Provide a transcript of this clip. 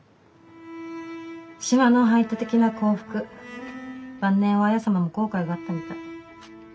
島の排他的な幸福晩年は文様も後悔があったみたい。